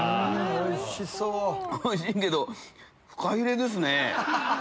おいしいけどフカヒレですね。